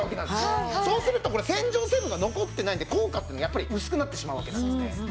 そうするとこれ洗浄成分が残ってないんで効果っていうのがやっぱり薄くなってしまうわけなんですね。